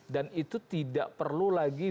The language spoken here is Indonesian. dan itu tidak perlu lagi